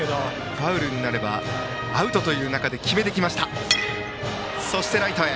ファウルになればアウトという中で決めてきました。